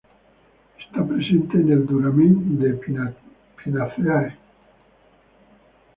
Está presente en el duramen de "Pinaceae".